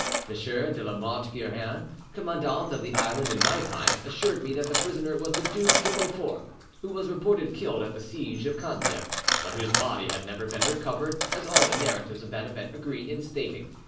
M. de La Motte Guerin, commandant of the islands in my time, assured me that the prisoner was the Duc de Beaufort, who was reported killed at the siege of Candia, but whose body had never been recovered, as all the narratives of that event agree in stating.